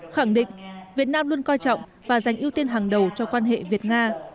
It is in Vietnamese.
khẳng định việt nam luôn coi trọng và dành ưu tiên hàng đầu cho quan hệ việt nga